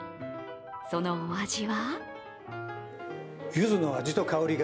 そのお味は？